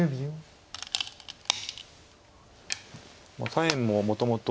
左辺ももともと。